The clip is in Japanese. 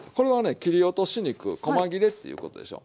切り落とし肉こま切れっていうことでしょ。